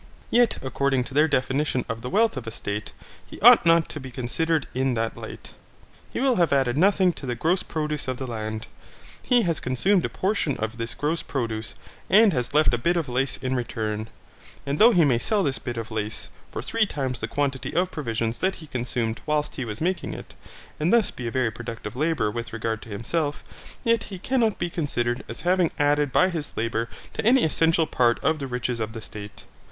Yet according to their definition of the wealth of a state, he ought not to be considered in that light. He will have added nothing to the gross produce of the land: he has consumed a portion of this gross produce, and has left a bit of lace in return; and though he may sell this bit of lace for three times the quantity of provisions that he consumed whilst he was making it, and thus be a very productive labourer with regard to himself, yet he cannot be considered as having added by his labour to any essential part of the riches of the state.